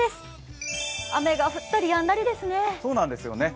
雨が降ったりやんだりですね。